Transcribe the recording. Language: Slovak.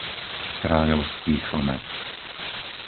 Kráľovský Chlmec